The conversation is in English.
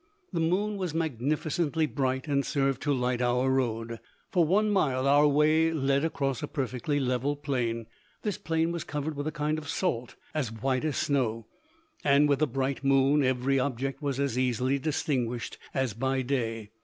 The moon was magnificently bright and served to light our road. For one mile our way led across a perfectly level plain. This plain was covered with a kind of salt as white as snow, and with the bright moon every object was as easily distinguished as by day.